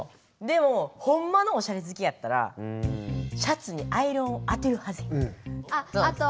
でもホンマのオシャレ好きやったらシャツにアイロンをあてるはずや。